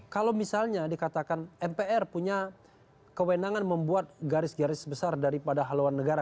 kalau misalnya dikatakan mpr punya kewenangan membuat garis garis besar daripada haluan negara